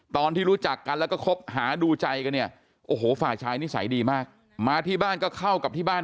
ตอนที่รู้จักกันแล้วก็คบหาดูใจกันเนี่ยโอ้โหฝ่ายชายนิสัยดีมากมาที่บ้านก็เข้ากับที่บ้าน